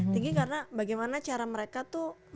tinggi karena bagaimana cara mereka tuh